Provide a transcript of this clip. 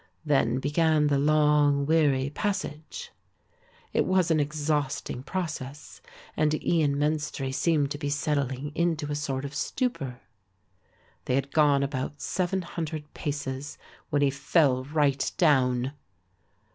Then began the long weary passage. It was an exhausting process and Ian Menstrie seemed to be settling into a sort of stupor. They had gone about 700 paces when he fell right down.